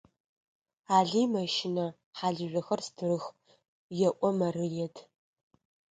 Алый мэщынэ, хьалыжъохэр стырых, – elo Марыет.